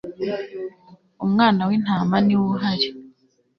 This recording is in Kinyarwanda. umwana wintama niwe uhari